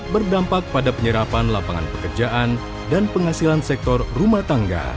berdampak pada penyerapan lapangan pekerjaan dan penghasilan sektor rumah tangga